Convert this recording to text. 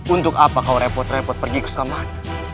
untuk apa kau repot repot pergi ke sekolah